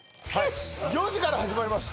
４時から始まります